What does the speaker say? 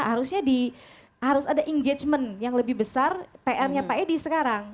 harusnya harus ada engagement yang lebih besar pr nya pak edi sekarang